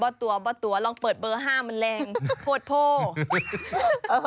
บ๊าตัวลองเปิดเบอร์๕มันแรงพวดโผ่